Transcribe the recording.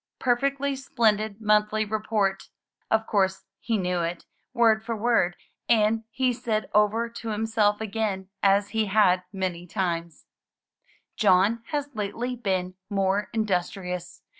Perfectly splendid monthly re port ! Of course he knew it, word for word, and he said over to himself again, as he had many times: John has lately been more industrious.